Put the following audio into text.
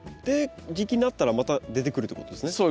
で時期になったらまた出てくるということですね。